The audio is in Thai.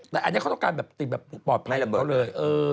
แต่อันนี้เขาต้องการแบบติดแบบปลอดภัยกับเขาเลย